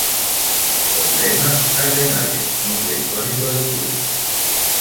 Con lema Cardenales, nombre icónico del Club.